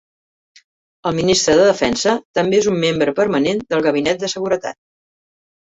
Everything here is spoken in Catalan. El ministre de Defensa també és un membre permanent del gabinet de seguretat.